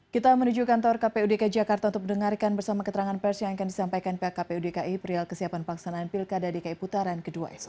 kita menuju kantor kpudk jakarta untuk mendengarkan bersama keterangan pers yang akan disampaikan pihak kpudki periwal kesiapan paksanaan pilkada dki putaran ke dua esok